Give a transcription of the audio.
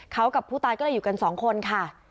เขากับผู้ตายก็เลยอยู่กันสองคนค่ะ